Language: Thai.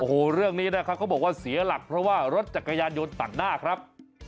โอ้โหเรื่องนี้นะครับเขาบอกว่าเสียหลักเพราะว่ารถจักรยานยนต์ตัดหน้าครับ